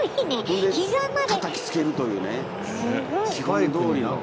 たたきつけるというね。